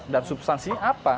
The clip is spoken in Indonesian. dan substansi apa